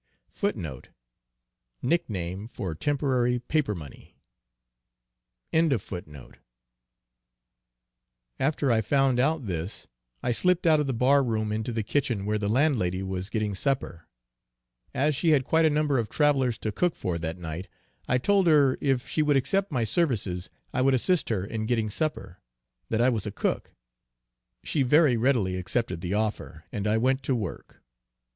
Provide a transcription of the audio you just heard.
After I had found out this, I slipped out of the bar room into the kitchen where the landlady was getting supper; as she had quite a number of travellers to cook for that night, I told her if she would accept my services, I would assist her in getting supper; that I was a cook. She very readily accepted the offer, and I went to work.